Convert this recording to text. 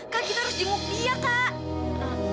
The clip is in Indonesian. kan kita harus jenguk dia kak